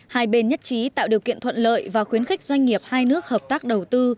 hai bên nhất trí tạo điều kiện thuận lợi và khuyến khích doanh nghiệp hai nước hợp tác đầu tư